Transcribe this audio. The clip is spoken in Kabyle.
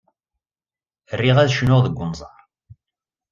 Riɣ ad cnuɣ deg unẓar.